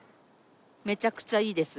めちゃくちゃいいです。